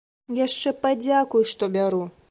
Яшчэ падзякуй, што бяру!